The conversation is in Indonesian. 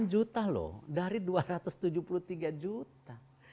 delapan juta loh dari dua ratus tujuh puluh tiga juta